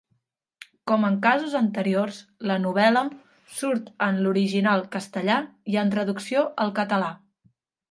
Com en casos anteriors, la novel·la surt en l'original castellà i en traducció al català.